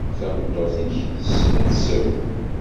Tameṭṭut-ik tessen ad tesseww?